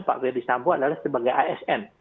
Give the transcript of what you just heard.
pak fikar disambung adalah sebagai asn